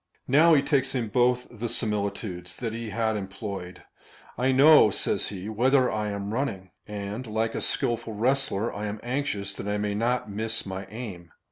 Now he takes in both the similitudes that he had employed. " I know," says he, " whither I am running, and, like a skilful wrestler, I am anxious that I may not miss my aim."